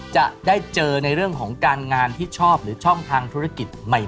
จะได้เจอในเรื่องของการงานที่ชอบหรือช่องทางธุรกิจใหม่